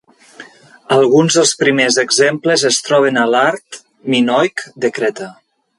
Alguns dels primers exemples es troben a l'art minoic de Creta.